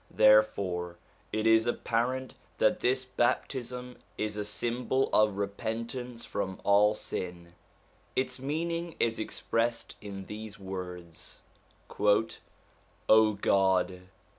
Therefore it is apparent that this baptism is a symbol of repentance from all sin: its meaning is expressed in these words :' God